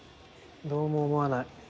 どうも思わない。